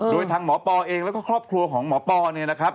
โดยทางหมอปอเองแล้วก็ครอบครัวของหมอปอเนี่ยนะครับ